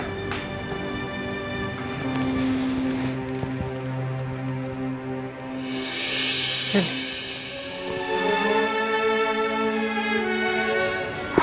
aku baik baik aja